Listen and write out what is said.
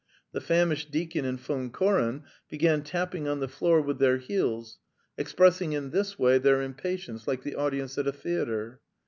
The famished deacon and Von Koren began tapping on the floor with their heels, expressing in this way their impatience like the audience at a theatre.